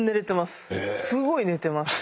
すごい寝てます。